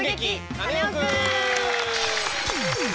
カネオくん」！